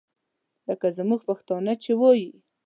لکه زموږ پښتانه چې وایي.